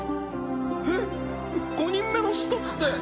えっ５人目の使徒って。